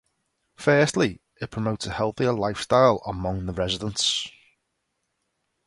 Firstly, it promotes a healthier lifestyle among the residents.